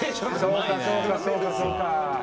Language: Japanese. そうかそうかそうかそうか。